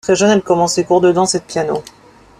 Très jeune, elle commence les cours de danse et de piano.